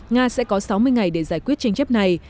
nga sẽ có sáu mươi ngày để giải quyết tranh chấp này